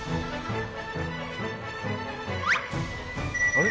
あれ？